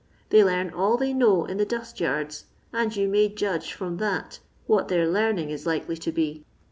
They learn all they know in the dust Yards, and you may judge from that what their learning is likely to be.